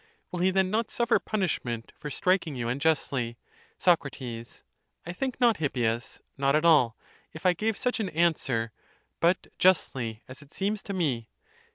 Will he then not suffer punishment, for striking you unjustly ? Soc. I think not, Hippias ; not at all; if I gave such an answer; but justly, as it seems to me.